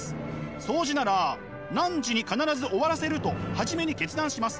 そうじなら「何時に必ず終わらせる」と初めに決断します。